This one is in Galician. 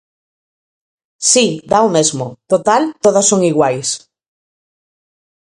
Si, dá o mesmo, total todas son iguais.